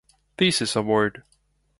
Thesis Award.